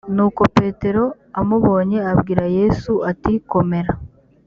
nuko petero amubonye abwira yesu ati komera